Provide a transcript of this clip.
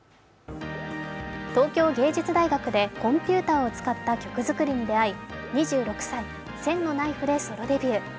東京芸術大学でコンピューターを使った曲作りに出会い、２６歳、「千のナイフ」でソロデビュー。